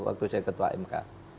waktu saya ketua mk